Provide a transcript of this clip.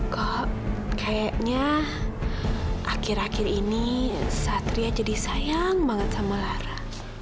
kok kayaknya akhir akhir ini satria jadi sayang banget sama lara